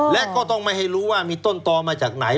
และก็ต้องไม่ให้รู้ว่ามีต้นตอมาจากไหน